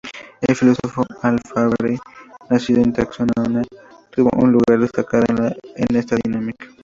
El filósofo Al-Farabi, nacido en Transoxiana, tuvo un lugar destacado en esta dinámica.